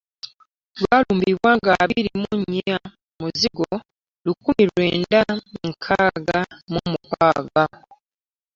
Lwalumbibwa ng'abiri mu nnya, Muzigo, lukumi lwenda nkaaga mu mukaaga